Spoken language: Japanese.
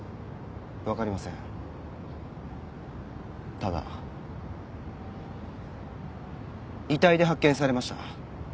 ただ遺体で発見されました。